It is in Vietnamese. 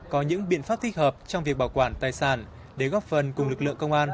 có những biện pháp thích hợp trong việc bảo quản tài sản để góp phần cùng lực lượng công an